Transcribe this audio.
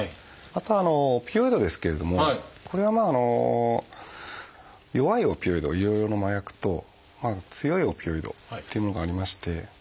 あとオピオイドですけれどもこれはまああの弱いオピオイド医療用の麻薬と強いオピオイドっていうものがありまして。